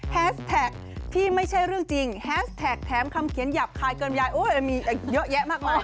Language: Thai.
แท็กที่ไม่ใช่เรื่องจริงแฮสแท็กแถมคำเขียนหยาบคายเกินยายโอ้ยมันมีเยอะแยะมากมาย